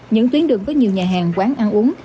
những tuyến đường có nhiều nhà hàng quán ăn uống